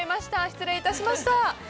失礼致しました。